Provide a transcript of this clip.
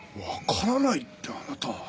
わからないってあなた。